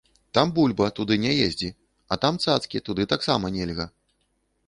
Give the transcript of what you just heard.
Там бульба, туды не ездзі, а там цацкі, туды таксама нельга.